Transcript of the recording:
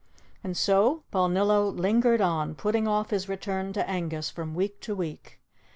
And so Balnillo lingered on, putting off his return to Angus from week to week.